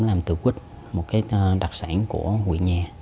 làm từ quýt một cái đặc sản của hội nhà